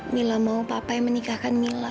mila mau papa yang menikahkan mila